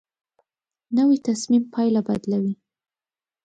نوې تصمیم پایله بدلوي